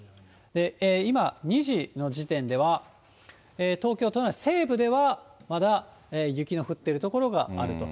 今、２時の時点では、東京都内西部では、まだ雪の降っている所があると。